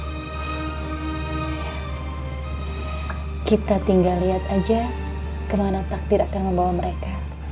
kita tinggal lihat aja kemana takdir akan membawa mereka